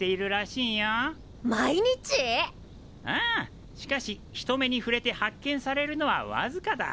ああしかし人目にふれて発見されるのはわずかだ。